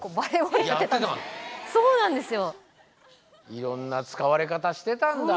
いろんな使われ方してたんだ。